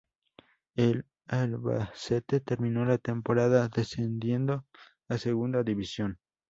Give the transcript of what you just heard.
El Albacete terminó la temporada descendiendo a Segunda División.